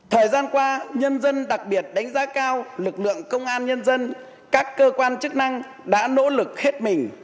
thời gian qua nhân dân đặc biệt đánh giá cao lực lượng công an nhân dân các cơ quan chức năng đã nỗ lực hết mình